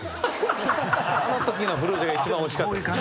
あのときのフルーチェが一番おいしかったです。